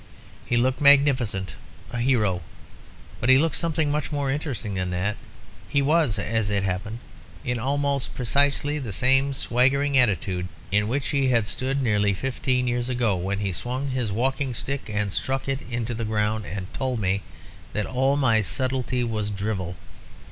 He looked magnificent, a hero; but he looked something much more interesting than that. He was, as it happened, in almost precisely the same swaggering attitude in which he had stood nearly fifteen years ago, when he swung his walking stick and struck it into the ground, and told me that all my subtlety was drivel.